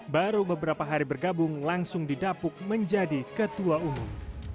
baru beberapa hari bergabung langsung didapuk menjadi ketua umum